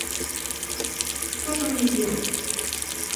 Что же мне делать?